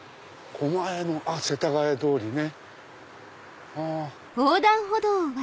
狛江の世田谷通りね。